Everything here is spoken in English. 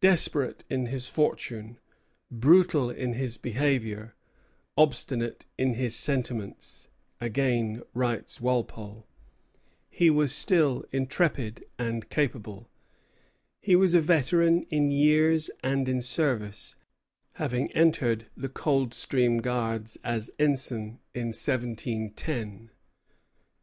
"Desperate in his fortune, brutal in his behavior, obstinate in his sentiments," again writes Walpole, "he was still intrepid and capable." He was a veteran in years and in service, having entered the Coldstream Guards as ensign in 1710. Walpole, George II., I. 390.